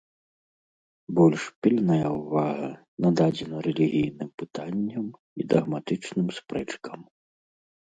Больш пільная ўвага нададзена рэлігійным пытанням і дагматычным спрэчкам.